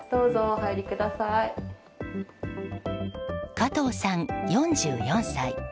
加藤さん、４４歳。